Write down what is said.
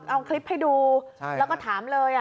เอาคลิปให้ดูแล้วก็ถามเลย